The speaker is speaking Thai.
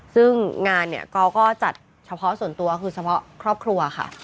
ซึ่งงานเนี่ยเขาก็จัดเฉพาะส่วนตัวคือเฉพาะครอบครัวค่ะ